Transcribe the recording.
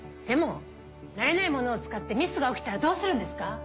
でも慣れないものを使ってミスが起きたらどうするんですか？